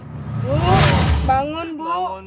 bu bangun bu